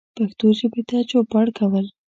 پښتو ژبې ته چوپړ کول